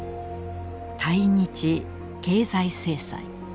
対日経済制裁。